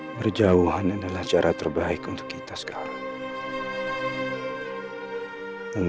berjauhan adalah cara terbaik untuk kita sekarang